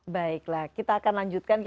baiklah kita akan lanjutkan